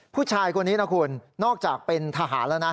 ผู้ชายคนนี้นะคุณนอกจากเป็นทหารแล้วนะ